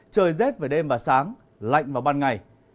trời rét về đêm và sáng lạnh vào ban ngày